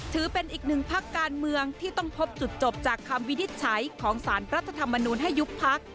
ถือเป็นอีกหนึ่งพักการเมืองที่ต้องพบจุดจบจากคำวินิจฉัยของสารรัฐธรรมนูลให้ยุบพัก